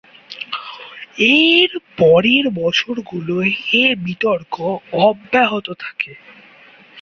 এর পরের বছরগুলোয় এ বিতর্ক অব্যাহত থাকে।